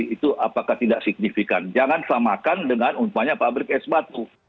itu apakah tidak signifikan jangan samakan dengan umpamanya pabrik es batu